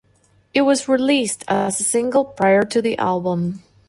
It was released as a single prior to the album.